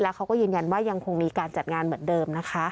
เขาก็ยืนยันว่ายังคงมีการจัดงานเหมือนเดิมนะคะ